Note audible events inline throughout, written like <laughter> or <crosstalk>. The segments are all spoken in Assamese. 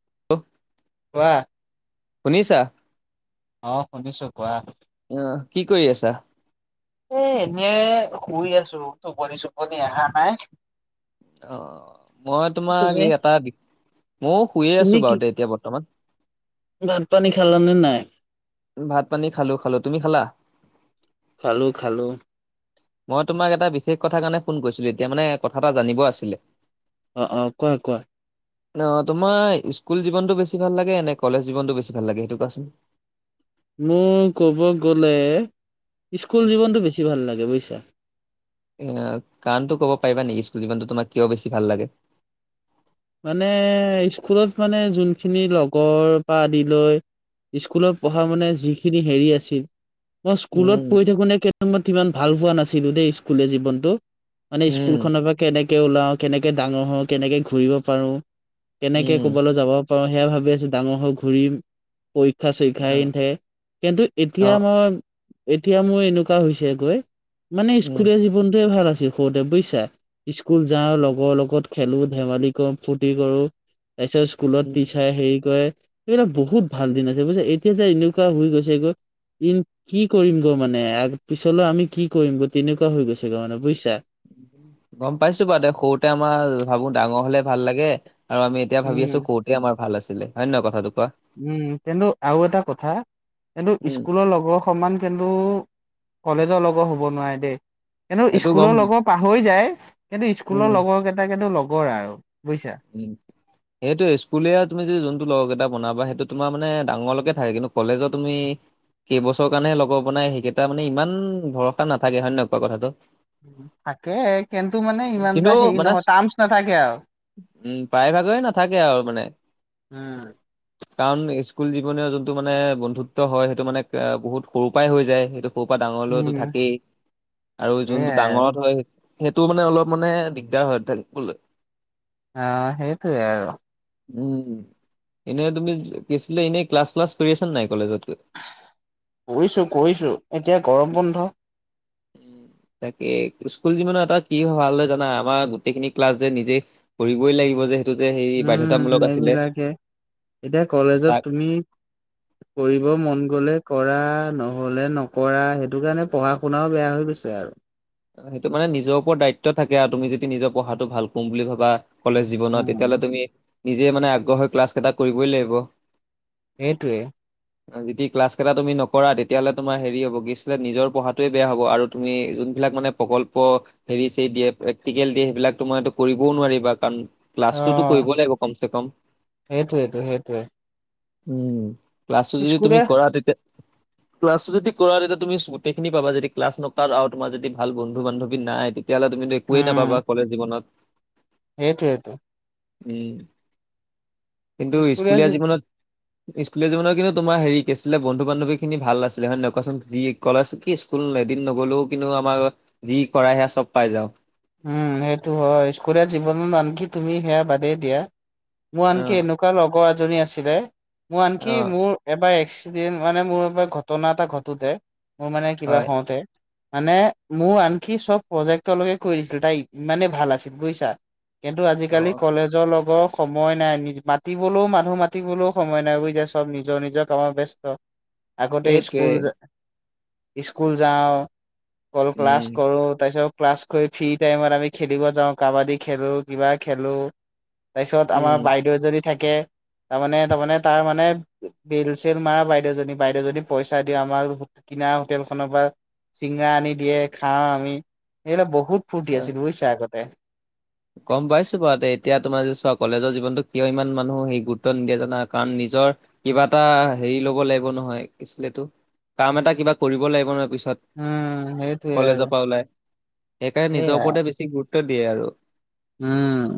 <unintelligible> কোৱা শুনিছা? অহ শুনিছো কোৱা। অ' কি কৰি আছা? এ এনেই শুই আছো টোপনি চুপনি আহা নাই। অ মই তোমাক তুমি এই এটা ময়ো শুইয়ে আছো তুমি কি বাৰু দেই এতিয়া বৰ্তমান। ভাত পানী খালানে নাই? ভাত পানী খালো খালো তুমি খালা? খালো খালো। মই তোমাক এটা বিশেষ কথা কাৰণে ফোন কৰিছিলো এতিয়া মানে কথা এটা জানিব আছিলে। অ অ কোৱা কোৱা অ তোমাৰ ইস্কুল জীৱনতটো বেছি ভাল লাগে নে কলেজ জীৱনটো বেছি ভাল লাগে সেইটো কোৱাচোন। মোৰ ক'ব গলে ইস্কুল জীৱনটো বেছি ভাল লাগে বুজিছা এ কাৰণতো ক'ব পাৰিবা নেকি ইস্কুল জীৱনতো তোমাক কিয় বেছি ভাল লাগে? মানে ইস্কুলত মানে যোনখিনি লগৰ পা আদি লৈ ইস্কুলত পঢ়া মানে যিখিনি হেৰি আছিল মই উম, স্কুলত পঢ়ি থাকোতে সেইসময়ত ইমান ভাল পোৱা নাছিলো দেই স্কুলীয়া জীৱনটো। মানে উম, স্কুলখনৰ পৰা কেনেকে ওলাও, কেনেকে ডাঙৰ হওঁ, কেনেকে ঘূৰিব পাৰোঁ। কেনেকে উম, ক'বালৈ যাব পাৰো সেয়া ভাবি আছো। ডাঙৰ হৈ ঘূৰিম। পৰীক্ষা চৰীক্ষা এই অ', নাথাকে। কিন্তু এতিয়া অ', মই এতিয়া মোৰ এনেকুৱা হৈছে গৈ মানে উম, স্কুলীয়া জীৱনটোৱে ভাল আছি সৰুতে বুইছা স্কুল যাওঁ লগৰ লগত খেলো ধেমালি কৰো ফূৰ্তি কৰো। তাৰপিছত স্কুলত উম। টিচাৰে হেৰি কৰে। এইবিলাক বহুত ভাল দিন আছে বুজিছা এতিয়া যে এনেকুৱা হৈ গৈছে গৈ ই কি কৰিম গ মানে পিছলৈ আমি কি কৰিম গ তেনেকুৱা হৈ গৈছে গৈ মানে বুজিছা? গম পাইছো বাৰু দে সৰুতে আমাৰ ভাবো ডাঙৰ হলে ভাল লাগে। আৰু আমি এতিয়া উম ভাবি আছো কওঁতে আমাৰ ভাল আছিলে হয় নহয় কথাটো কোৱা উম কিন্তু আৰু এটা কথা কিন্তু উম ইস্কুলৰ লগৰ সমান কিন্তু কলেজৰ লগত হ'ব নোৱাৰে দেই। কিন্তু সেইটো গম ইস্কুলৰ লগৰ পাহৰি যায় কিন্তু ইস্কুলৰ উম লগৰ কেইটা কিন্তু লগৰ আৰু। বুজিছা উম সেইটো ইস্কুলীয়া তুমি যে যোনটো লগৰ টা বনাবা সেইটো তোমাৰ মানে ডাঙৰলৈকে থাকে কিন্তু কলেজত তুমি কেইবছৰ কাৰণে লগৰ বনাই সেইকেইটা মানে ইমান ভৰসা নাথাকে হয় নে নহয় কুৱা কথাটো। থাকে কিন্তু মানে ইমান কিন্তু এটা হেৰি মানে নহয় টাৰ্মচ নাথাকে আও। উম প্ৰায়ভাগৰে নাথাকে আৰু মানে। কাৰণ ইস্কুল জীৱন যোনটো মানে বন্ধুত্ব হয় সেইটো মানে বহুত সৰু পৰাই হৈ যায় সেইটো সৰু পা ডাঙৰ লতো উম থাকেই আৰু যোনটো এইয়াই আৰু ডাঙৰত হয় সেইটো মানে অলপ মানে দিগদাৰ হয় থাকিবলৈ। অ সেইটোৱে আৰু। উম এনেই তুমি কিছিলে এনেই ক্লাছ চ্লাছ কৰি আছ নাই কলেজত? গৈ কৰিছো, কৰিছো। এতিয়া গৰম বন্ধ। উ তাকে স্কুল জীৱনৰ এটাত কি ভাল হয় জানা। আমাৰ গোটেইখিনি ক্লাছ যে নিজেই কৰিবই লাগিব যে। সেইটো যে হেৰি উম, বাধ্যতামূলক আছিলে এইবিলাকে। এতিয়া কলেজত তাক তুমি কৰিব মন গলে কৰা। নহলে নকৰা। সেইটো কাৰণে পঢ়া-শুনাও বেয়া হৈ গৈছে আৰু। সেইটো মানে নিজৰ ওপৰত দায়িত্ব থাকে আৰু তুমি যদি নিজৰ পঢ়াটো ভাল কৰোং বুলি ভাবা। কলেজ জীৱনত উম তেতিয়াহ'লে তুমি নিজে মানে আগ্ৰহ হৈ ক্লাছ কেইটা কৰিবই লাগিব। এইটোৱে। যদি ক্লাছ কেইটা তুমি নকৰা তেতিয়াহলে তোমাৰ হেৰি হ'ব। নিজৰ পঢ়াটোৱে বেয়া হ'ব আৰু তুমি যোন এই বিলাক মানে প্ৰকল্প হেৰি চেৰি দিয়ে, প্ৰেক্টিকেল দিয়ে। সেইবিলাকো মইটো কৰিবও নোৱাৰিবা কাৰণ ক্লাছটোতো কৰিবই লাগিব কম চে কম। সেইটোৱে টো সেইটোৱে। উম ক্লাছটো যদি স্কুলে তুমি কৰা তেতিয়া ক্লাছটো যদি কৰা তেতিয়া তুমি গোটেইখিনি পাবা। যদি ক্লাছ নকৰ আৰু তোমাৰ যদি ভাল বন্ধু-বান্ধৱী নাই তেতিয়াহ'লে তুমিটো একোৱে নাপাবা কলেজ জীৱনত। সেইটোৱেটো। উম, কিন্তু স্কুলীয়া জীৱনত স্কুলীয়া জীৱনৰ কিন্তু তোমাৰ হেৰি কি আছিল বন্ধু বান্ধৱী খিনি ভাল আছিলে হয় নে কোৱাচোন। যি কলেজ কি স্কুল এদিন নগলেও কিন্তু আমাৰ যি কৰাই সেয়া চব পাই যাওঁ। উম সেইটো হয়। স্কুলীয়া জীৱনত আনকি তুমি সেয়া বাদেই দিয়া। মোৰ আনকি অ', এনেকুৱা লগৰ এজনী আছিলে। মোৰ আনকি অ', মোৰ এবাৰ এক্সি দেন মানে মোৰ ঘটনা এটা ঘটোতে মোৰ মানে কিবা হয় হওঁতে মানে মোৰ আনকি চব প্ৰজেক্টলৈকে কৰি দিছিল। তাই ইমানেই ভাল আছিল বুইছা। কিন্তু আজিকালি অ', কলেজৰ লগৰ সময় নাই নি মাতিবলৈও মানুহ মাতিবলৈও সময় নাই। <unintelligible> চব নিজৰ নিজৰ কামত ব্যস্ত। আগতে এইটোৱে স্কুল, স্কুল যাওঁ। অলো ক্লাছ উম, কৰো তাৰ পিছত ক্লাছ ফ্ৰী টাইমত আমি খেলিব যাওঁ কাবাডী খেলো কিবা খেলো তাৰপিছত আমাৰ উম, বাইদেউ যদি থাকে তাৰমানে তাৰমানে তাৰ মানে বেল চেল মাৰা বাইদেউজনী বাইদেউজনী পইচা দি আমাৰ হোটেল খনৰ পৰা চিঙৰা আনি দিয়ে, খাওঁ আমি। এইবিলাক বহুত ফূৰ্তি হয়। আছিল বুইছা আগতে। গম পাইছো বাৰু এতিয়া তোমাৰ যদি চোৱা কলেজৰ জীৱনতো কিয় ইমান মানুহ সেই গুৰুত্ব নিদিয়ে জানা? কাৰণ নিজ নিজৰ কিবা এটা হেৰি ল'ব লাগিব নহয়। কি আছিল এইটো কাম এটা কিবা কৰিব লাগিব নহয় পিছত। উম সেইটোৱে আৰু কলেজৰ পৰা ওলাই সেইকাৰণে এইয়া নিজৰ ওপৰতে বেছি গুৰুত্ব দিয়ে আৰু। উম।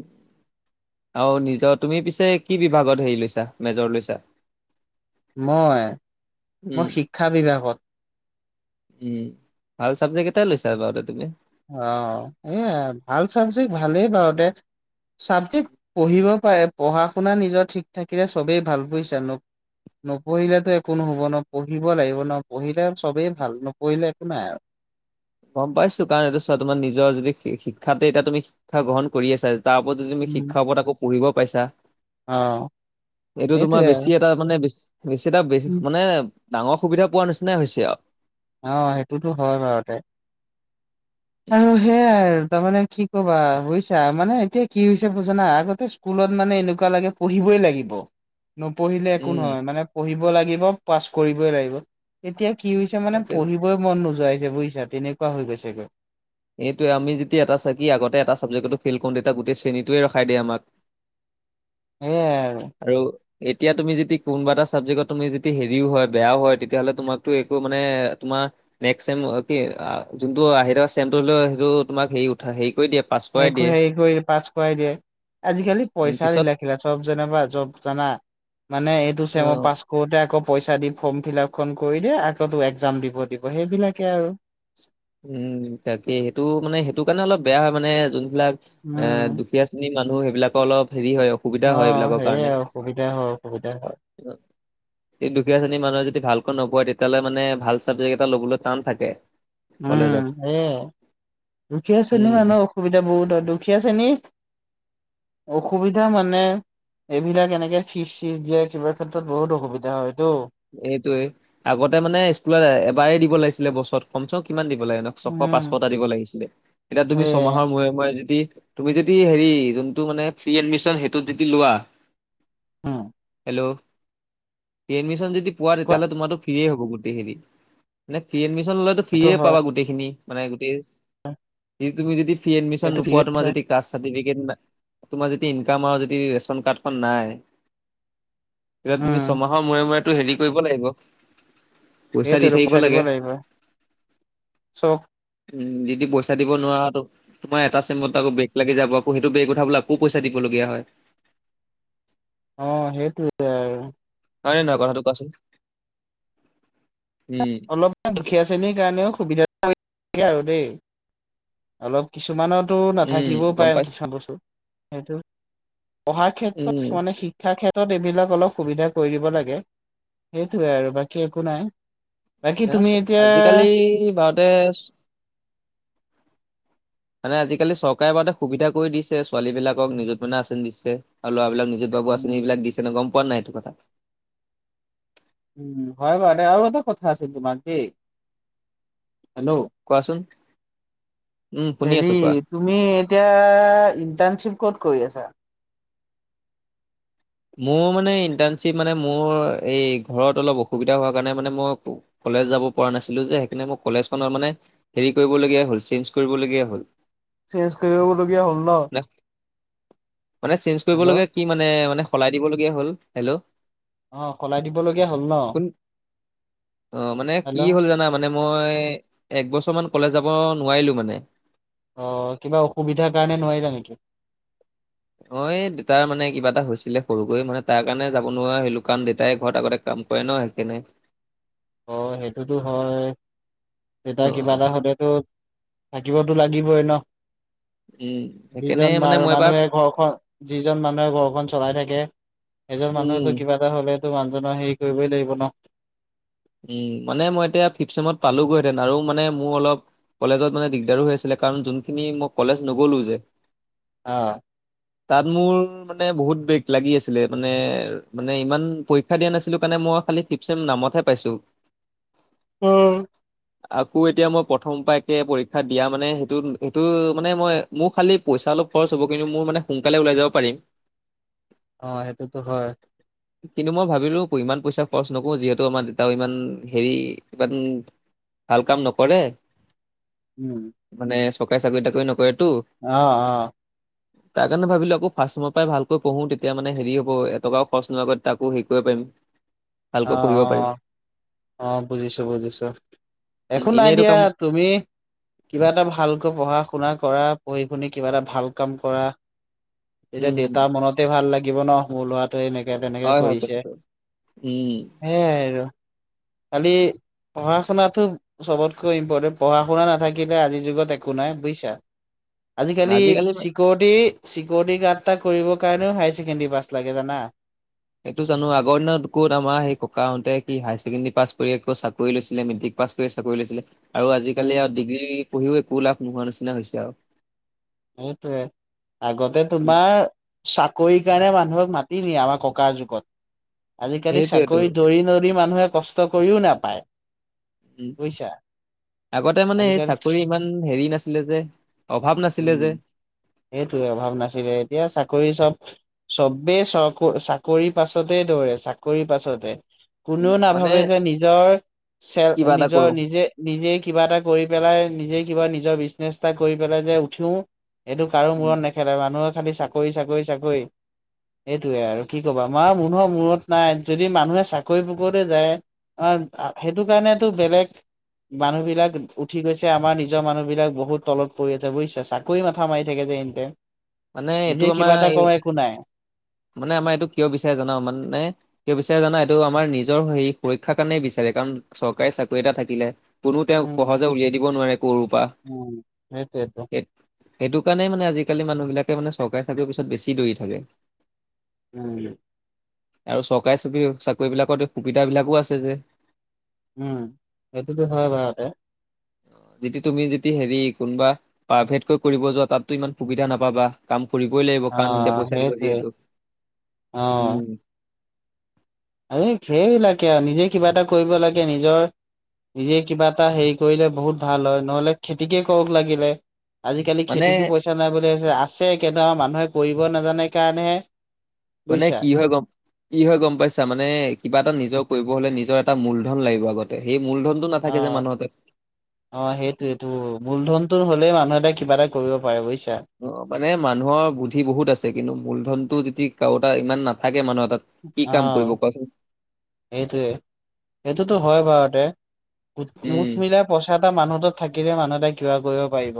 উম আৰু নিজৰ তুমি পিছে কি বিভাগত হেৰি লৈছা মেজৰ লৈছা? মই? উম, মই শিক্ষা বিভাগত। উম ভাল চাবজেক্ট এটাই লৈছা বাৰু দে তুমি। অ, এয়া ভাল চাবজেক্ট ভালেই বাৰু দে। ছাবজেক্ট পঢ়িব পাৰে, পঢ়া শুনা নিজৰ ঠিক থাকিলে চবেই ভাল বুইচা? নপঢ়িলেতো একো নহব ন। পঢ়িব লাগিব ন। পঢ়িলে চবেই ভাল, নপঢ়িলে একো নাই আৰু। গম পাইছো কাৰণ এইটো চোৱা তোমাৰ নিজৰ যদি শিক্ষাতে এতিয়া তুমি শিক্ষা গ্ৰহণ কৰি আছা। তাৰ ওপৰত যদি তুমি উম শিক্ষাৰ ওপৰত আকৌ পঢ়িব পাইছা অ এইটো তোমাৰ সেইটোৱে আৰু বেছি এটা মানে বে বেছি এটা বে উম। মানে ডাঙৰ সুবিধা পোৱাৰ নিচিনাই হৈছে আও। অ সেইটোতো হয় বাৰুতে আৰু সেয়াই তাৰমানে কি কবা হৈছো মানে এতিয়া কি হৈছে বুজানা আগতে স্কুলত মানে এনেকুৱা লাগে পঢ়িবই লাগিব নপঢ়িলে একো উম, নহয় মানে পঢ়িব লাগিব পাছ কৰিবই লাগিব এতিয়া কি হৈছে মানে সেইটোৱে। পঢ়িবই মন নোযোৱাইছে বুজিছা তেনেকুৱা হৈ গৈছেগৈ সেইয় আমি যেতিয়া এটা চাকি আগতে এটা চাবজে্টো ফেইল কৰো তেতিয়া গোটেই শ্ৰেণীটয়ে ৰখাই দিয় আমাক <inaudible> সেইয়াই আৰু এতিয়া তুমি যদি কোনোবা এটা চাবজেক্টত তুমি যদি হেৰিও হয় বেয়া হয় তেতিয়া'লে তোমাকতো একো মানে তম কি যোনটোও সেইটো তোমাক উ হেৰি কৰি পাছ কৰাই দিয়ে আজিকালি উম পিছত পইচাৰিলাখিলা চব যেনিবা জব জানা মানে এই অ মই পাচ কৰোতে আকৌ পইচা দি ফৰ্ম ফিল আপ খ কৰি দিয় আগতো একজাম দিব দিব সেইবিলাকে আৰু উম তাকে সেইটো মানে সেইটো কাৰণে অলপ বেয়া মানে যোন সবিলাক এ উম দুখীয়া শ্ৰেণীৰ মানুহ সেইবিলাকৰ অলপ হেৰি হয় অসুবিধা অ হয় এইবিলাকৰ সেয়ে কাৰণে আৰু অসুবিধা হয় অসুবিধা হয় এই দুখীয়া শ্ৰেণীৰ মানুহে যদি ভালকৈ নপোৱায় তেতিয়াহ'লে মানে ভাল চাবজেক্ট এটা ল'বলৈ টান থাকে উম কলেজত সেই দুখীয়া শ্ৰেণী উম মানুহ অসুবিধা বহুত হয় দুখীয়া শ্ৰেণী অসুবিধা মানে এইবিলাক এনেকে ফিজ চিজ দিয়ে কিবা ক্ষেত্ৰত বহুত অসুবিধা হয় এইটোয়ে আগতে মানে স্কুলত এবাৰ দিব লাগিছিলে বছৰত কম চ কিমান দ লাগে ন ছশ উম পাঁচশটা দিব লাগিছিলে এতিয়া তুমি সেয়াই ছয়মাহৰ মূৰে মূৰে যদি তুমি যদি হেৰি যোনটো মানে ফ্ৰী এডমিচন সেইটোত যদি লোৱা হম ল এডমিশন যদি পোৱা কোৱা তেতিাহ'লে তোমাৰটো ফ্ৰ হ'ব গোটেই খিনি মে ফ্ৰী এডমিচন ললেতো ফ্ৰিয়ে পাবা গোটেইখিনি মানে গোটেই। অ তুম যদি ফি এডমিন নোপোৱা তোম যদি কাচ। তোমাৰ যদি ইনকাম আৰু যদি ৰেচন কাৰ্ডখন নাই। এতিয়া তুমি উম ছমাহৰ মূৰে মূৰেতো হেৰি কৰিব লাগিব। পইচা এইটো দি থাকিব পইছা লাগে দিব লাগিব চ উম যদি পইা দিব নোৱাৰা তোম এটা চমত আকৌ বেগ লাগি যাব আকৌ সেইটো বেগ উঠা বলে আকৌ পইচা দিব লাগিব। লগিয়া হয়। অ সেইটো আৰু হয় নে নহয় কথাটো কোৱাচোন। উম, অলপমান দুখীয়া শ্ৰেণীৰ কাৰণেও সুবিধা আৰু দেই অলপ কিছুমানো উম, নাথাকিবও গম পাৰে পাইছো কিছুমান বস্তু সেইটো পঢ়াৰ উম, ক্ষেত্ৰত মানে শিক্ষা ক্ষেত্ৰত ত এইবিলাক অলপ সুবিধা কৰি দিব লাগে সেইটোৱে আৰু বাকী একো নাই বাকী তুমি এতিয়া আজিকালি ভাৰতে মানে আজিকালি চৰকাৰে বাৰুটা সুবিধা কৰি দিছে ছোৱালী বিলাকক নিজুত মাইনা আচন দিছে আৰু ল'ৰা এইবিলাক নিজৰ বাবু উম আঁচনি বিলাক দিছে ন গম পোৱা নাই এইটো কথা উম হয় বৰো আৰু এটা কথা আছে তোমাক দেই। হেল্ল' কোৱাচোন উম, শুনি হেৰি আছো কোৱা। তুমি এতিয়া ইন্টাৰ্ণশ্বিপ ক'ত কৰি আছা মোৰ মানে ইণ্টাৰ্ণশ্বিপ মানে মোৰ এই ঘৰত অলপ অসুবিধা হোৱা কাৰণে মানে মই কলেজ যাব পৰা নাছিলো যে সেইকাৰণে মোক কলেজখনত মানে হেৰি কৰিবলগীয়া হ'ল চেইঞ্জ কৰিবলগীয়া হ'ল চেঞ্জ কৰিবলগীয়া হ'ল ন মানে চেঞ্জ হেল্ল' কৰিবলগীয়া কি মানে মানে সলাই দিবলগীয়া হ'ল হেল্ল' অ সলাই দিবলগীয়া হ'ল ন কোন অ মানে কি হেল্ল' হ'ল জানা মানে। মই একবছৰ মান কলেজ যাব নোৱাৰিলো মানে। আহ কিবা অসুবিধাৰ কাৰণে নোৱাৰিলা নেকি। অ দেতাৰ মানে কিবা এটা হৈছিলে সৰুকৈ মানে তাৰ কাৰণে যাব নোৱাৰা হলো কাৰণ দেতাই ঘৰত আগতে। কাম কৰে ন সেইকাৰণে অ সেইটোতো হয় অ তেতিয়া কিবা এটা হলেতো। থাকিবতো লাগিবই ন। উম। সেইকাৰণে যিজন ম মানে মই এবাৰ মানুহে ঘৰখন যিজন মানুহে ঘৰখন চলাই থাকে। সেই জন উম মানুহতো কিবা এটা হ'লেতো মানুহজনৰ হেৰি কৰিবই লাগিব ন। উ মানে মই এতিয়া ফিফ চেমত পালোগৈহেতেন আৰু মানে মোৰ অলপ। কলেজত মানে দিগদাৰো হৈ আছিলে কাৰণ যোনখিনি মই কলেজ নগলো যে। অ। তাত মোৰ মানে বহুত ব লাগি আছিলে মানে মানে ইমান পৰীক্ষা দিয়া নাছিলো কাৰণে মই খাল ফিফেম নামতহে। পাইছো। উম। আকৌ এতিয়া মই প্ৰথম পাকে পৰীক্ষা দিয়া মানে সেইটো সেইটো মানে মই মোৰ খালি পইচা। অলপ খৰচ হ'ব কিন্তু মোৰ মানে সোনকালে ওলাই যাব পাৰিম। অ সেইটোতো হয়। কিন্তু মই ভাবিলো ইমান পইচা খৰচ নকৰো যিহেতু আমাৰ। ত ইমান হেৰি ইমান ভাল কাম নকৰে। উম মানে চৰকাৰী চাকৰি তাকৰি নকৰে। আহ অ। তাৰ কাৰণে ভাবিলোঁ আকৌ ফাৰ্ষ্টৰ পৰাই তাৰ কাৰণে ভাবিলো আকৌ ফাষ্ট ছেম পৰা ভালকৈ পঢ়ো তেতিয়া মানে হেৰি হ'ব এটকাও খৰচ নোৱাকৈ তাকো হেৰি কৰিব পাৰিম। অ ভালকৈ পঢ়িব পাৰিম। অ অ বুজিছো বুজিছো। উম, একো নাই এনেই এইটো দিয়া কাম তুমি কিবা এটা ভালকৈ পঢ়া শুনা কৰা কৰি পিনে কিবা এটা ভাল কাম কৰা উম তেতিয়া দেউতা মনতে ভাল লাগ গীব নহ মো লোৱাটোৱে এনেকে তেনেকে হয় হয় কৰিছে কথাটো। উম, হেইাই আৰু খালি পঢ়া শুনাাতটো চবতকৈ ইম্পৰ্টেণ্ট পঢ়া শুনা নাথাকিলে আজিৰ যুগত একো নাই বুজিছা আজিকালি চিকৰিটি। চিকিউৰিটি গাৰ্ড এটা কৰিবৰ কাৰণেও হায়াৰ ছেকেণ্ডেৰী বাছ লাগে জানা। সেইটো জানো আগৰ দিনৰুত আমাৰ সেই ককাাহঁতে সি হায়াৰ ছেকেণ্ডেৰী পাছ কৰি আৌ চাকৰি লৈছিলে মেট্ৰিক। পাছ কৰি চাকৰি লৈছিলে আৰু আজিকালি আৰু ডিগ্ৰী পঢ়িও একো লাভ নোহোৱা নিচিনা হৈছে আৰু। সেইটয়ে আগতে উম, তোমাৰ চাকৰি কাৰণে মানুহক। মাতি দিয়ে আমাৰ ক যুগত সেইটোৱেতো আজালি চৰি। মানুহে কষ্ট কৰিও নাপায়। উ বুজিছা আগতে মানে এই আজিকালি চাকৰি ইমান হেৰি নাছিলে যে অভাৱ নাছিল। উম সেইটোে অভাৱ নাছিলে এতিয়া চাকৰি। চাকৰি চব চবেই চ চাকৰি পাছতে দৌৰে চাকৰি পাছতে। কোনেও উম, মানে নাভাবে যে নিজৰ। চেলপ কিবা এটা নিজৰ কৰো নিজে নিজে কিবা এটা কৰি পেলাই নিজে। কিবা নিজৰ বিজনেছ এটা কৰি পেলাই যে উঠো এইটো কাৰো উম, মূৰত নেখেলাই মানুহক। খালি চাকৰি চাকৰি চাকৰি। এইটয়ে আৰু কি কবা আমাৰ মানুহৰ মূৰত নাই যদি মানুহে চাকৰি বাকতে যায়। অ সেইটো কাৰণেতো বেলেগ। মানুহ বিলাক উঠি গৈছে আমাৰ নিজৰ মানুহ বিলাক বহুত তলত পৰি আছে বুজিছাছ। চাকৰি মাথা মাৰি থাকে যে এনীতায়েম মানে এইটো আমাৰ এই নাই মানে আমাৰ এইটো কিয় বিচাৰে জাননা মানে কিয় বিচাৰে জনাও এইটো আমাৰ নিজ নিজৰ সে সুৰক্ষাৰ কাৰণেই বিচাৰে কাৰণ চৰকাৰী চাকৰি এটা থাকিলে কোনো তেওঁক উম সহজে উলিয়াই দিব নোৱাৰে উম সেইটোৱেতো সেইণান ম থাকে মানে চৰকাৰে থাকেও পিছত বেছি দৌৰি থাকে উম আৰু চৰকাৰী চাকৰি চাকৰিবিলাকত সুবিধাবিলাকো আছে যে উম সটোটোো হয় ভাৰতেে অ যতিদি তুমি যদি হেৰি কোনোবা প্ৰাইভেটকৈ কৰিব যোৱা তাতো ইমান সুবিধা নাপাবা কাম ফুৰিবই লাগিব অ কাৰণ সিহতিয়া পইচা দিব সেইটোৱে যিহেতু অ উম এই সেইবিলাকে আৰু নিজে কিবা এটা কৰিব লাগে নিজৰ নিজে কিবা এটা হেৰি কৰিলে বহুত ভাল হয় নহলে খেতিকে কৰক লাগিলে আজিকালি মানে খেতিতো পইচা নাই বুলিাবছে আছে কেনোবা মানুহে কৰিব নাজানে কাৰণেহে মানে বুজিছা কি হয় গম কি হয় গম পাইছো মানে কিবা এটা নিজৰ কৰিব হলে নিজৰ এটা মূলধন লাগিব আগতে সেই মূলধনটো অ নাথাকে যে মানুহৰ তাত। অ সেইটোটো মূলধনটো হ' মানুহ এটা কিবা এটা কৰিব পাৰে বুজিছে মানে মানুহৰ বুদ্ধি বহুত আছে কিন্তু মূলধনতটো যদি কাৰোটা ইমান নাথাকে মানুহত তাত কি কাম কৰিব কোৱাচোন এইটোৱে এইটোতো হয় বাৰুতেঠ উম মুঠ মিলাই পইচা এটা মানুহত থাকিলে মানুহ এটা কিবা কৰিব পাৰিব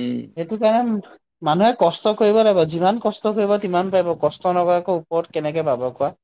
উম। কাৰণে মানুহে কষ্ট কৰিব লাগিব যিমান কষ্ট কৰিব িমান পাব কষ্ট নকৰাকৈ ওপৰত কেনেকে পাব কোৱা